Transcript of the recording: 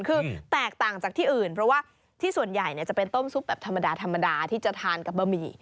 คือแตกต่างจากที่อื่นเพราะว่าที่ส่วนใหญ่จะเป็นต้มซุปแบบธรรมดาธรรมดาที่จะทานกับบะหมี่